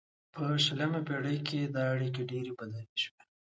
په شلمه پیړۍ کې دا اړیکې ډیرې بدلې شوې